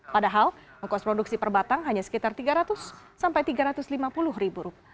padahal ongkos produksi per batang hanya sekitar rp tiga ratus sampai rp tiga ratus lima puluh ribu rupiah